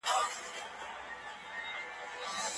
ملکیت یو فطري امر دی.